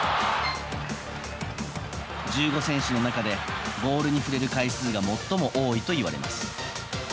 １５選手の中でボールに触れる回数が最も多いといわれます。